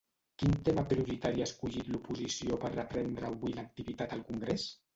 Quin tema prioritari ha escollit l’oposició per reprendre avui l’activitat al congrés?